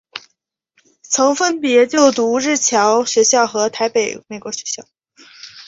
曾分别就读日侨学校与台北美国学校。